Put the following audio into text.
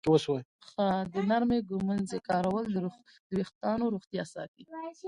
د نرمې ږمنځې کارول د ویښتانو روغتیا ساتي.